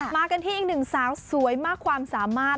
มากันที่อีกหนึ่งสาวสวยมากความสามารถ